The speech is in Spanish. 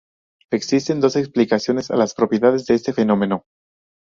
Existen dos explicaciones a las propiedades de este fenómeno.